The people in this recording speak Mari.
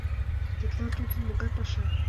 Тетла тудын могай паша?